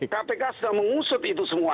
kpk sudah mengusut itu semua